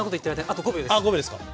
あっ５秒ですか！